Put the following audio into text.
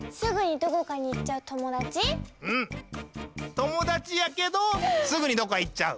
ともだちやけどすぐにどっかいっちゃう。